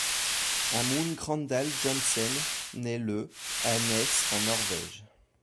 Amund Grøndahl Jansen naît le à Nes en Norvège.